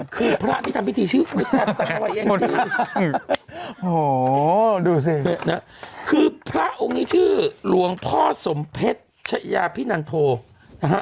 คือพระที่ทำพิธีชื่อดูสิคือพระองค์นี้ชื่อหลวงพ่อสมเพชรชายาพินันโทนะฮะ